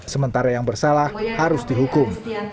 sementara yang bersalah harus dihukum